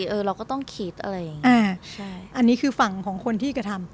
เออเราก็ต้องคิดอะไรอย่างเงี้อ่าใช่อันนี้คือฝั่งของคนที่กระทำ